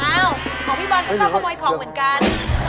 ของพี่บอลก็ชอบขโมยของเหมือนกัน